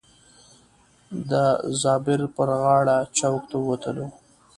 د زابر پر غاړه چوک ته ووتلو.